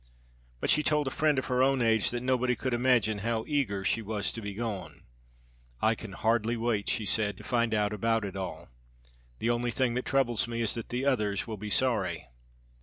But she told a friend of her own age that nobody could imagine how eager she was to be gone. 'I can hardly wait,' she said, 'to find out about it all. The only thing that troubles me is that the others will be sorry.'